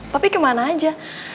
tapi kemana aja